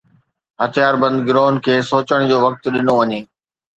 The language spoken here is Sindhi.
هٿياربند گروهن کي سوچڻ جو وقت ڏنو وڃي.